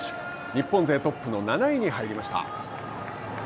日本勢トップの７位に入りました。